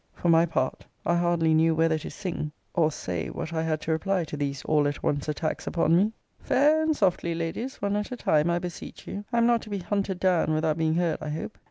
For my part, I hardly knew whether to sing or say what I had to reply to these all at once attacks upon me! Fair and softly, Ladies one at a time, I beseech you. I am not to be hunted down without being heard, I hope.